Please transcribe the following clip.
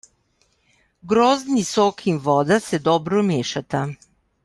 Grozdni sok in voda se dobro mešata.